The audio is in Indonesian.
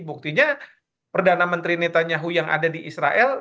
buktinya perdana menteri netanyahu yang ada di israel